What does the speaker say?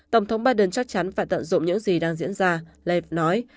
tổng thống biden chắc chắn phải tận dụng những gì đang diễn ra len nói